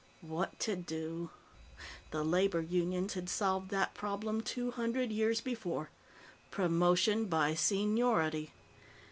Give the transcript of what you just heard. What to do? The labor unions had solved that problem two hundred years before. Promotion by seniority.